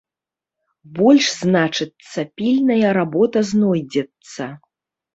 Больш, значыцца, пільная работа знойдзецца!